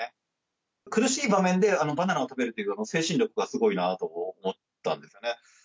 苦しい場面でバナナを食べるという精神力がすごいなと思ったんですよね。